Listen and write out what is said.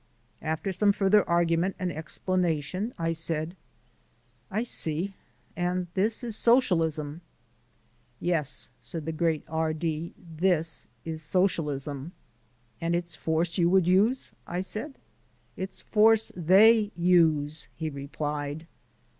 After some further argument and explanation, I said: "I see: and this is Socialism." "Yes," said the great R D , "this is Socialism." "And it's force you would use," I said. "It's force THEY use," he replied.